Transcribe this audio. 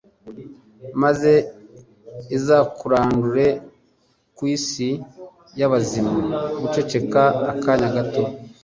maze izakurandure ku isi y’abazima guceceka akanya gato